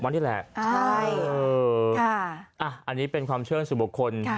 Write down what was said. ตุนตุนตุนตุนตุนตุน